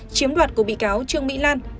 chiếm đoạt của bị cáo trương bị lan